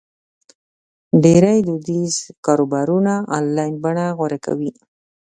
ډېری دودیز کاروبارونه آنلاین بڼه غوره کوي.